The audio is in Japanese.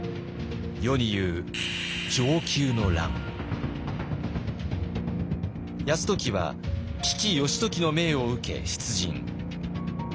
世に言う泰時は父義時の命を受け出陣。